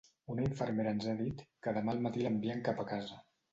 Una infermera ens ha dit que demà al matí l'envien cap a casa.